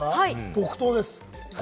木刀です。